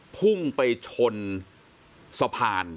พุ่งไปชนสะพาน